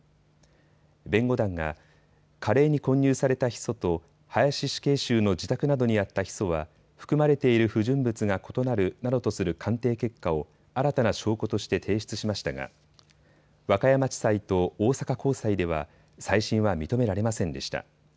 弁護団がカレーに混入されたヒ素と林死刑囚の自宅などにあったヒ素は含まれている不純物が異なるなどとする鑑定結果を新たな証拠として提出しましたが和歌山地裁と大阪高裁では再審は認められませんでした。